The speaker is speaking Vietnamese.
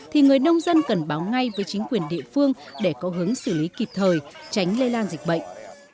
thì người nông dân cần báo ngay với chính quyền địa phương để có hướng xử lý kịp thời tránh lây lan dịch bệnh